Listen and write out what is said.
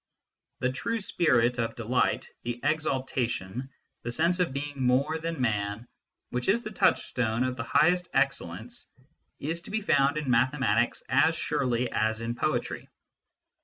The true spirit of delight, the exaltation, the sense of being more than man, which is the touchstone of the highest excellence, is to be found in mathematics as surely as in poetry.